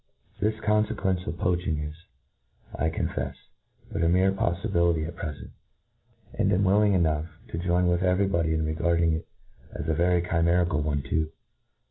This confequencc of poaching is^ I co^ifcf^ but a mere poflibitity at prdcnt— and am willing enough to join with ?vcfy body in regarding it. as a very chimerical one too.